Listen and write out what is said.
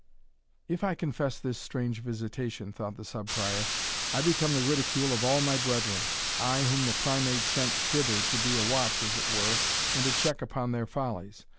"If I confess this strange visitation," thought the Sub Prior, "I become the ridicule of all my brethren I whom the Primate sent hither to be a watch, as it were, and a check upon their follies.